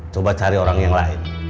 coba cari orang yang lain